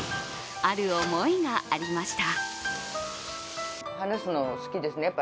ある思いがありました。